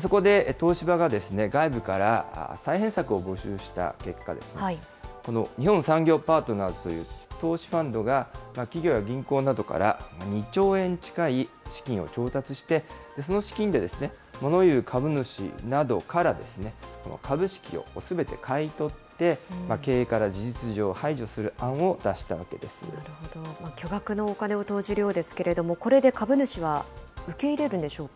そこで、東芝が外部から再編策を募集した結果ですね、この日本産業パートナーズという投資ファンドが、企業や銀行などから２兆円近い資金を調達して、その資金で、もの言う株主などから株式をすべて買い取って、経営から事実上、なるほど、巨額のお金を投じるようですけれども、これで株主は受け入れるんでしょうか。